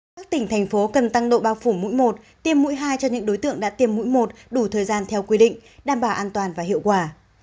các tỉnh thành phố cần tăng độ bao phủ mũi một tiêm mũi hai cho những đối tượng đã tiêm mũi một đủ thời gian theo quy định đảm bảo an toàn và hiệu quả